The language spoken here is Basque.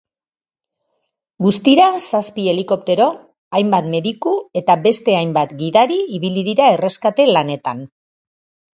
Guztira zazpi helikoptero, hainbat mediku eta beste hainbat gidari ibili dira erreskate-lanetan.